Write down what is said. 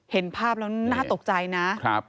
เห็นภาพแล้วน่าตกใจนะ